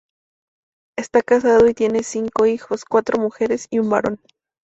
Está casado y tiene cinco hijos: cuatro mujeres y un varón.